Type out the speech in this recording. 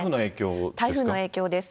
台風の影響です。